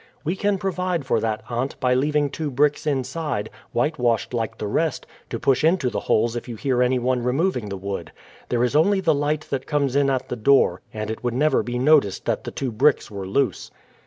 "We can provide for that, aunt, by leaving two bricks inside, whitewashed like the rest, to push into the holes if you hear anyone removing the wood. There is only the light that comes in at the door, and it would never be noticed that the two bricks were loose."